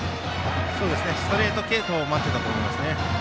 ストレート系統を待っていたと思いますね。